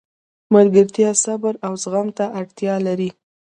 ملګرتیا صبر او زغم ته اړتیا لري.